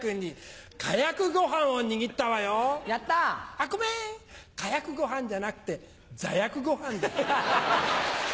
あっごめんかやくご飯じゃなくて座薬ご飯だった。